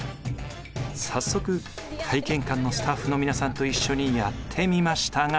早速体験館のスタッフの皆さんと一緒にやってみましたが。